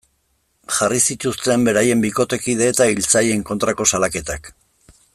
Jarri zituzten beraien bikotekide eta hiltzaileen kontrako salaketak.